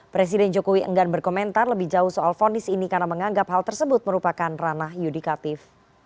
presiden jokowi enggan berkomentar lebih jauh soal fonis ini karena menganggap hal tersebut merupakan ranah yudikatif